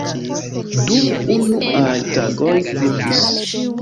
Dum unuaj tagoj pluvis.